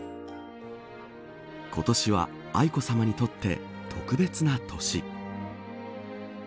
今年は愛子さまにとって特別な年。